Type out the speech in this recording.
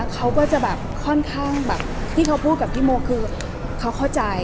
เขาก็ก็พูดกับพี่โม้คือเขาเข้าใจ